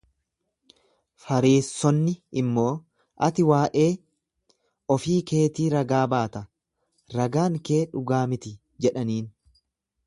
Fariissonni immoo, Ati waa'ee ofii keetii ragaa baata, ragaan kee dhugaa miti jedhaniin.